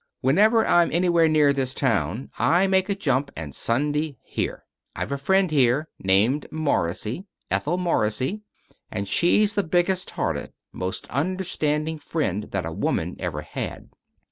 Whenever I'm anywhere near this town I make a jump and Sunday here. I've a friend here named Morrissey Ethel Morrissey and she's the biggest hearted, most understanding friend that a woman ever had.